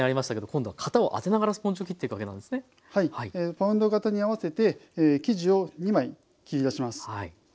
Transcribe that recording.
パウンド型に合わせて生地を２枚切り出します。